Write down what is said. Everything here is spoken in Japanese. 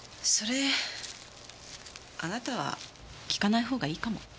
それあなたは聞かない方がいいかも。